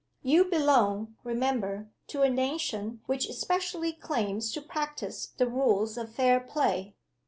"You belong, remember, to a nation which especially claims to practice the rules of fair play.